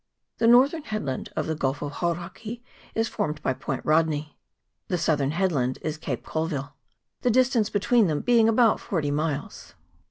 The northern headland of the Gulf of Hauraki is formed by Point Rodney ; the southern headland is Cape Colville ; the distance between them being about forty miles.